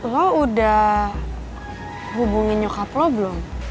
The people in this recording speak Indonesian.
lo udah hubungi nyokap lo belum